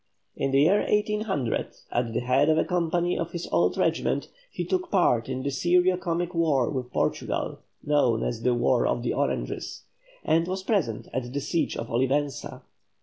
In the year 1800 at the head of a company of his old regiment, he took part in the serio comic war with Portugal known as the "War of the Oranges," and was present at the siege of Olivenza.